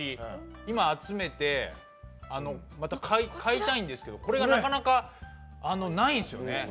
今、集めてまた買いたいんですけどこれが、なかなかないんですよね。